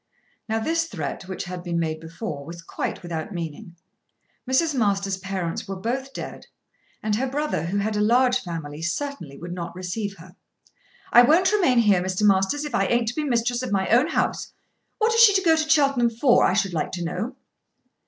Now this threat, which had been made before, was quite without meaning. Mrs. Masters' parents were both dead, and her brother, who had a large family, certainly would not receive her. "I won't remain here, Mr. Masters, if I ain't to be mistress of my own house. What is she to go to Cheltenham for, I should like to know?"